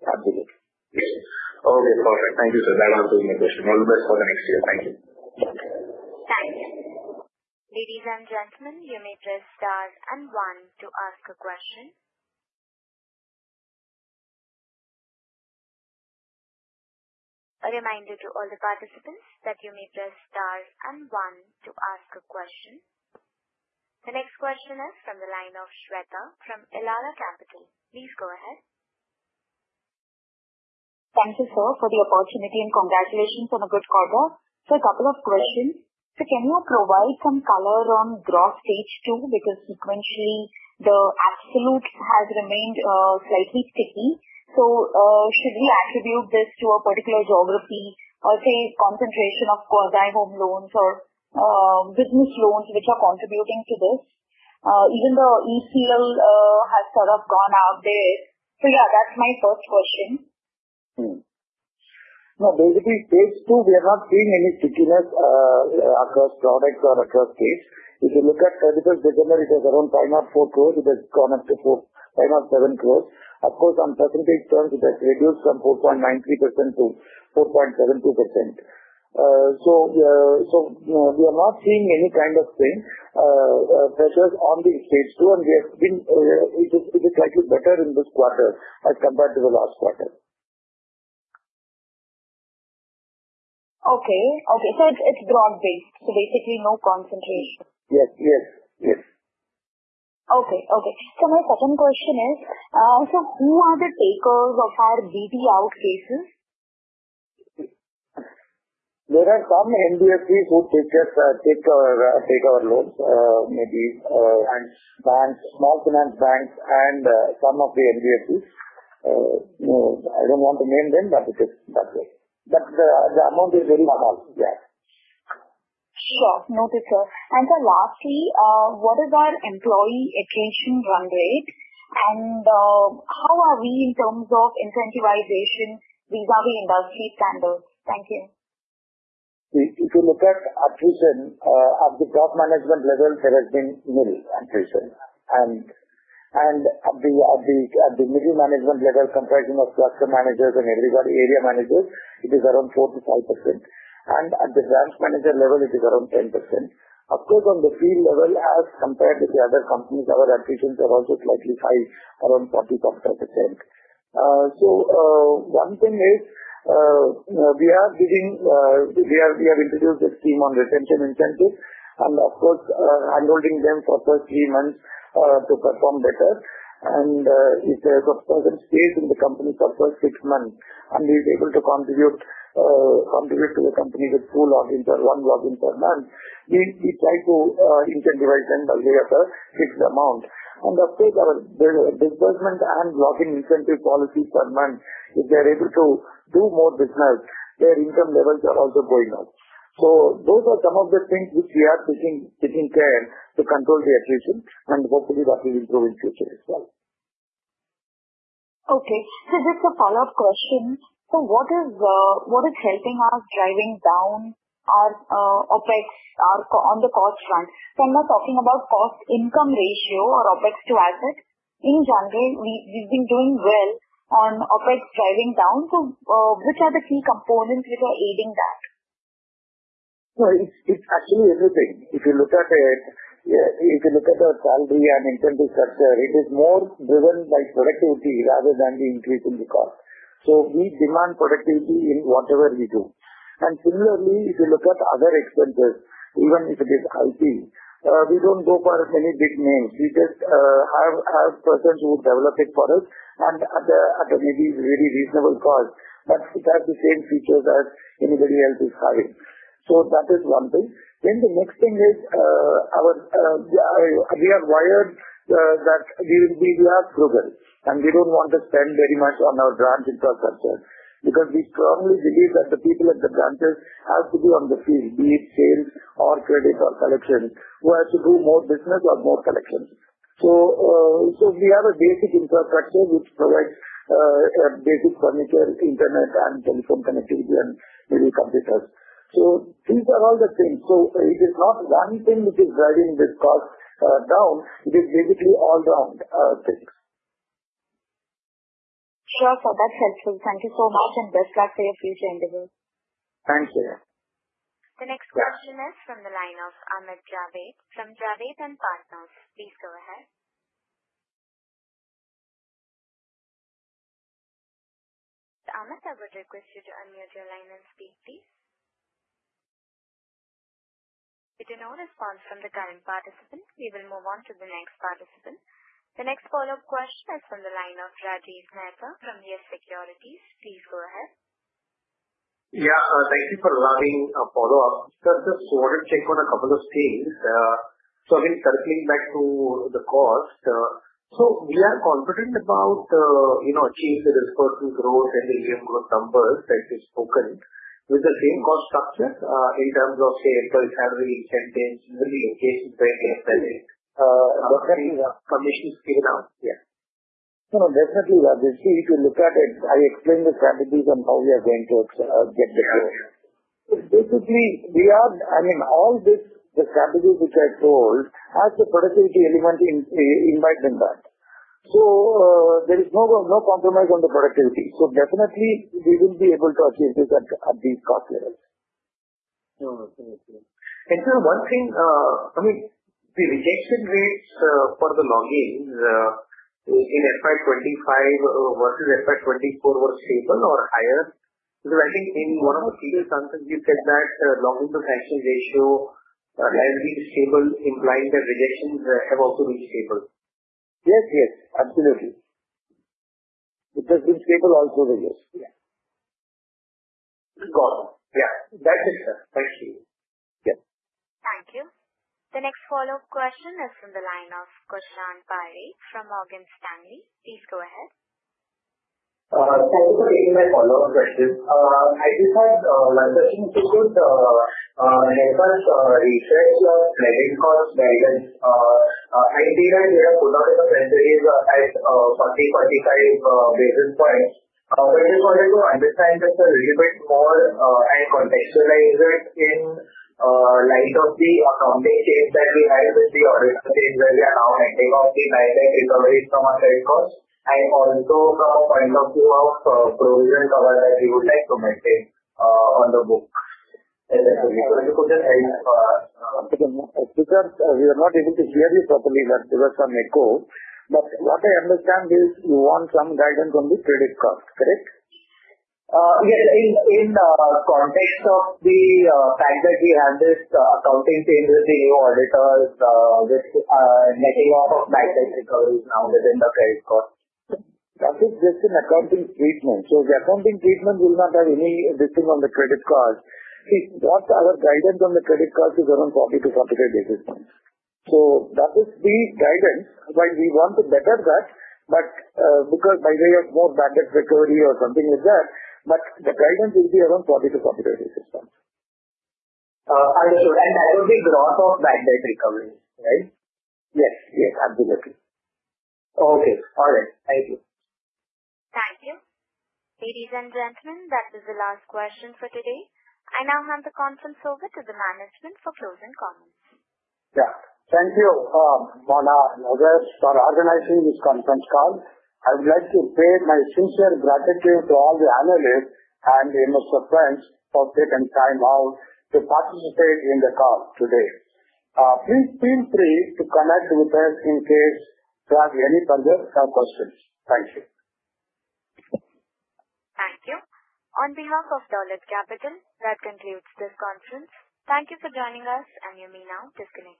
Absolutely. Yes. Okay. Perfect. Thank you, sir. That answers my question. All the best for the next year. Thank you. Thank you. Ladies and gentlemen, you may press star and one to ask a question. A reminder to all the participants that you may press star and one to ask a question. The next question is from the line of Shweta from Elara Capital. Please go ahead. Thank you, sir, for the opportunity and congratulations on a good quarter. So a couple of questions. So can you provide some color on Gross Stage 2 because sequentially the absolute has remained slightly sticky? So should we attribute this to a particular geography or say concentration of quasi-home loans or business loans which are contributing to this? Even the ECL has sort of gone out there. So yeah, that's my first question. No, basically, Stage 2, we are not seeing any stickiness across products or across states. If you look at Stage 2 additions, around 5.4 crores, it has gone up to 5.7 crores. Of course, on percentage terms, it has reduced from 4.93%-4.72%. So we are not seeing any kind of pressures on the Stage 2, and it is slightly better in this quarter as compared to the last quarter. Okay. So it's broad-based. So basically, no concentration. Yes. Yes. Yes. Okay. So my second question is, who are the takers of our DA out cases? There are some NBFCs who take our loans, maybe small finance banks and some of the NBFCs. I don't want to name them, but it is that way. But the amount is very small. Yeah. Sure. Noted, sir. And sir, lastly, what is our employee attrition run rate? And how are we in terms of incentivization vis-à-vis industry standards? Thank you. If you look at attrition, at the top management level, there has been no attrition, and at the middle management level, comprising of cluster managers and everybody, area managers, it is around 4%-5%. And at the branch manager level, it is around 10%. Of course, on the field level, as compared with the other companies, our attritions are also slightly high, around 40%-45%, so one thing is we have introduced a scheme on retention incentives and, of course, handholding them for the first three months to perform better, and if there is a certain stage in the company for the first six months and he is able to contribute to the company with two loans or one loan per month, we try to incentivize them by way of a fixed amount. Of course, disbursement and loan incentive policies per month, if they are able to do more business, their income levels are also going up. Those are some of the things which we are taking care to control the attrition, and hopefully, that will improve in the future as well. Okay. So just a follow-up question. So what is helping us driving down our OPEX on the cost front? So I'm not talking about cost-income ratio or OPEX to assets. In general, we've been doing well on OPEX driving down. So which are the key components which are aiding that? So it's actually everything. If you look at it, if you look at our salary and incentive structure, it is more driven by productivity rather than the increase in the cost. So we demand productivity in whatever we do. And similarly, if you look at other expenses, even if it is IT, we don't go for many big names. We just have persons who develop it for us and at a maybe very reasonable cost, but it has the same features as anybody else is having. So that is one thing. Then the next thing is we are wired that we are frugal, and we don't want to spend very much on our branch infrastructure because we strongly believe that the people at the branches have to be on the field, be it sales or credit or collection, who has to do more business or more collections. We have a basic infrastructure which provides basic furniture, internet, and telephone connectivity, and maybe computers. These are all the things. It is not one thing which is driving this cost down. It is basically all-round things. Sure, sir. That's helpful. Thank you so much, and best of luck for your future interviews. Thank you. The next question is from the line of Amit Javed from Javed & Partners. Please go ahead. Amit, I would request you to unmute your line and speak, please. We do not have a response from the current participant. We will move on to the next participant. The next follow-up question is from the line of Rajiv Mehta from YES Securities. Please go ahead. Yeah. Thank you for allowing a follow-up. Just wanted to check on a couple of things. So again, circling back to the cost, so we are confident about achieving the disbursement growth and the yield growth numbers that you've spoken with the same cost structure in terms of, say, employee salary, incentives, and the locations where they're present. Does that mean commissions given out? Yeah. No, no. Definitely, Rajiv. If you look at it, I explained the strategies on how we are going to get the growth. Thank you. Basically, we are I mean, all this, the strategies which I told, has the productivity element in mind in that. So there is no compromise on the productivity. So definitely, we will be able to achieve this at these cost levels. No, no. Thank you. And sir, one thing, I mean, the rejection rates for the logins in FY 25 versus FY 24 were stable or higher? Because I think in one of the previous answers, you said that login-to-sanction ratio has been stable, implying that rejections have also been stable. Yes. Yes. Absolutely. It has been stable also in the years. Got it. Yeah. That's it, sir. Thank you. Yes. Thank you. The next follow-up question is from the line of Dushyant Parikh from Morgan Stanley. Please go ahead. Thank you for taking my follow-up question. I just had my question is to sort of help us refresh your credit cost guidance. I think that you have put out a press release at 40-45 basis points. I just wanted to understand this a little bit more and contextualize it in light of the accounting change that we had with the auditor change where we are now netting off the direct recovery from our credit costs and also from a point of view of provision coverage that we would like to maintain on the book. Thank you. Thank you for the help. Because we were not able to hear you properly. That gave us some echo. But what I understand is you want some guidance on the credit cost, correct? Yes. In the context of the fact that we have this accounting change with the new auditors, with the netting off of bad debt recoveries now within the credit cost. That is just an accounting treatment. So the accounting treatment will not have any addition on the credit cost. See, what our guidance on the credit cost is around 40-45 basis points. So that is the guidance. While we want to better that, but because by way of more bad debt recovery or something like that, but the guidance will be around 40-45 basis points. Understood, and that will be growth of bad debt recovery, right? Yes. Yes. Absolutely. Okay. All right. Thank you. Thank you. Ladies and gentlemen, that is the last question for today. I now hand the conference over to the management for closing comments. Yeah. Thank you, Mona and others for organizing this conference call. I would like to express my sincere gratitude to all the analysts and most of my friends for taking time out to participate in the call today. Please feel free to connect with us in case you have any further questions. Thank you. Thank you. On behalf of Dolat Capital, that concludes this conference. Thank you for joining us, and you may now disconnect.